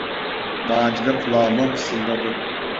Macide kulağıma fısıldadı: